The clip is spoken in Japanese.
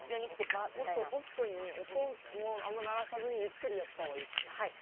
もっとソフトに音もあんま鳴らさずにゆっくりやった方がいいってことかな？